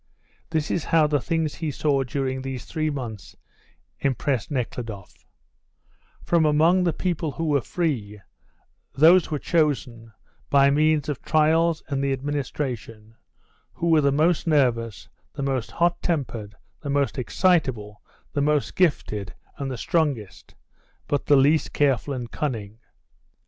This is how the things he saw during these three months impressed Nekhludoff: From among the people who were free, those were chosen, by means of trials and the administration, who were the most nervous, the most hot tempered, the most excitable, the most gifted, and the strongest, but the least careful and cunning.